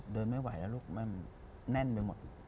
เดินไม่ไหวแล้วลูกมันแน่นไปหมด